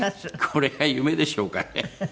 これが夢でしょうかね。